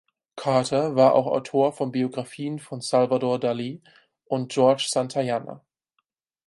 Carter war auch Autor von Biografien von Salvador Dali und George Santayana.